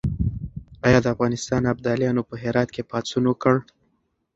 آیا د افغانستان ابدالیانو په هرات کې پاڅون وکړ؟